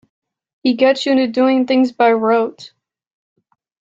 He gets you into doing things by rote.